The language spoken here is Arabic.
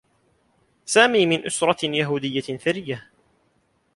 سامي من أسرة يهوديّة ثريّة.